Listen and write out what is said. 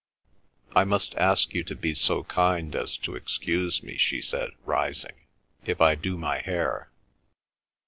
"I must ask you to be so kind as to excuse me," she said, rising, "if I do my hair.